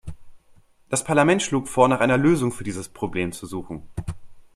Das Parlament schlug vor, nach einer Lösung für dieses Problem zu suchen.